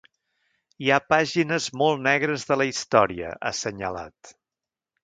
Hi ha pàgines molt negres de la història, ha assenyalat.